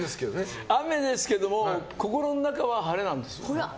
雨ですけども心の中は晴れなんですよ。